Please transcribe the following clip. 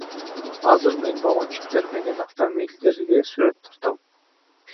Азыр мен баллончиктер менен автомобилдерге сүрөт тартам.